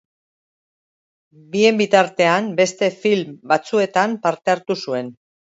Bien bitartean beste film batzuetan parte hartu zuen.